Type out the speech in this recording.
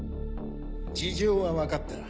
事情は分かった。